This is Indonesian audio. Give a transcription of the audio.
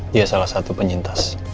dia salah satu pencintas